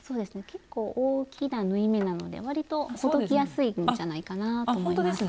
結構大きな縫い目なのでわりとほどきやすいんじゃないかなぁと思います。